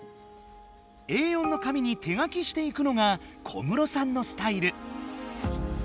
Ａ４の紙に手書きしていくのが小室さんのスタイル。